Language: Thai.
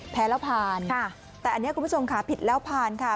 แพ้แล้วผ่านค่ะแต่อันนี้คุณผู้ชมค่ะผิดแล้วผ่านค่ะ